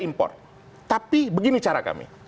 impor tapi begini cara kami